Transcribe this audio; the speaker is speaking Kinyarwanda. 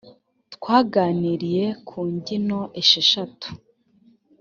twaganiriye kungino esheshatu.